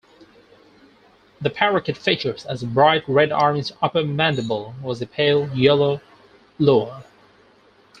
The parakeet features a bright red-orange upper mandible with a pale yellow lower.